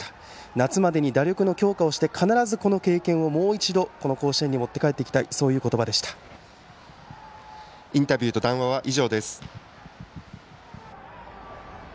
夏までの打力の強化をして必ずこの経験をもう一度、この甲子園に持って帰ってきたいインタビューと談話は以上です。